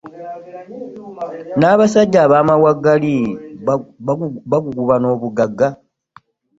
N'abasajja ab'amawaggali baguguba n'obugagga.